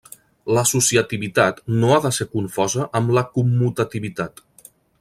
L'associativitat no ha de ser confosa amb la commutativitat.